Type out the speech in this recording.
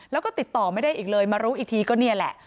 แล้วก็ติดต่อไม่ได้อีกเลยมารู้อีกทีก็นี่แหละ